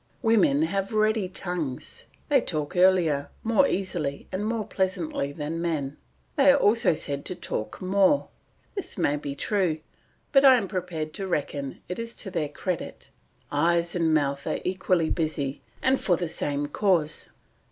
Women have ready tongues; they talk earlier, more easily, and more pleasantly than men. They are also said to talk more; this may be true, but I am prepared to reckon it to their credit; eyes and mouth are equally busy and for the same cause.